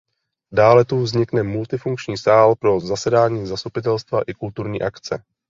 Dále tu vznikne multifunkční sál pro zasedání zastupitelstva i kulturní akce.